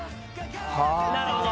なるほど！